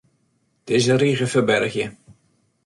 Dizze rige ferbergje.